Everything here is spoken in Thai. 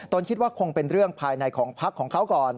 คิดว่าคงเป็นเรื่องภายในของพักของเขาก่อน